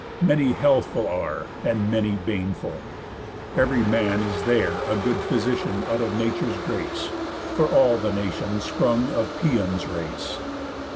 Many healthful are, And many baneful. Ev'ry man is there A good physician out of Nature's grace, For all the nation sprung of Pæon's race.